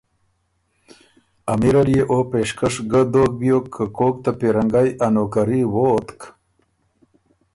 امیر ال يې او پېشکش ګه دوک بیوک که کوک ته پیرنګئني ا نوکري ووتک